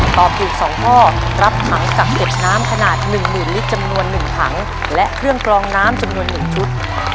ตอบถูกสองข้อรับถังกักเก็บน้ำขนาดหนึ่งหมื่นลิตรจำนวนหนึ่งถังและเครื่องกลองน้ำจำนวนหนึ่งชุด